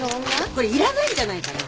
これいらないんじゃないかな？